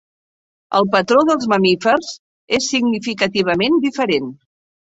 El patró dels mamífers és significativament diferent.